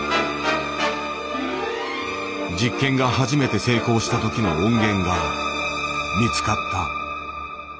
実験が初めて成功した時の音源が見つかった。